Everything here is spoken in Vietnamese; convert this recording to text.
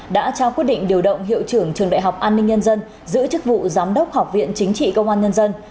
đã trao quyết định điều động hiệu trưởng trường đại học an ninh nhân dân giữ chức vụ giám đốc học viện chính trị công an nhân dân